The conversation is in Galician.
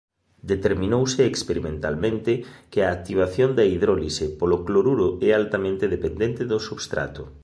Determinouse experimentalmente que a activación da hidrólise polo cloruro é altamente dependente do substrato.